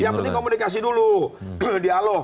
ya mending komunikasi dulu dialog